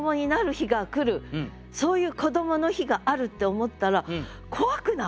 そういうこどもの日があるって思ったら怖くない？